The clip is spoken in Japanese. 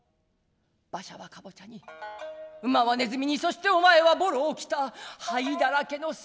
馬車はかぼちゃに馬はねずみにそしておまえはぼろを着た灰だらけの姿に戻る。